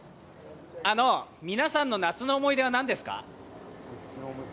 皆さんの夏の思い出は何ですか？